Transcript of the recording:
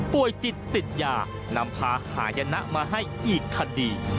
จิตติดยานำพาหายนะมาให้อีกคดี